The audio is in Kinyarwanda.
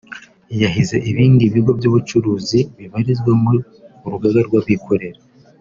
yahize ibindi bigo by’ubucuruzi bibarizwa mu rugaga rw’abikorera